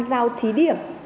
giao thí điểm